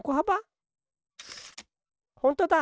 ほんとだ！